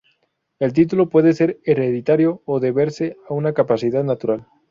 El título puede ser hereditario o deberse a una capacidad natural.